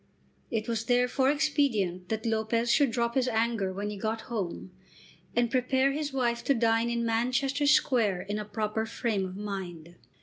It was therefore expedient that Lopez should drop his anger when he got home, and prepare his wife to dine in Manchester Square in a proper frame of mind.